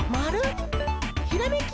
ひらめき！